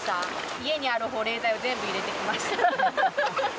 家にある保冷剤を全部入れてきました。